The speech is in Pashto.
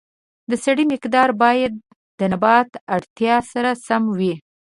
د سرې مقدار باید د نبات اړتیا سره سم وي.